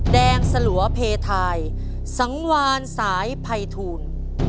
แดงสลัวเพทายสังวานสายภัยทูล